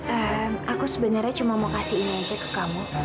eh aku sebenarnya cuma mau kasih inje ke kamu